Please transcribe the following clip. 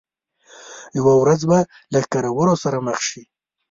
یوه ورځ به له ښکرور سره مخ شي.